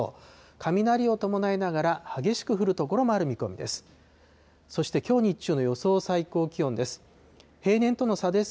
雷を伴いながら激しく降る所もある見込みです。